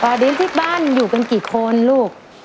ดินที่บ้านอยู่กันกี่คนลูก